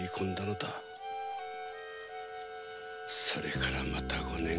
それからまた五年。